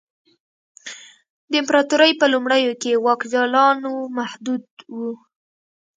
د امپراتورۍ په لومړیو کې واک جالانو محدود و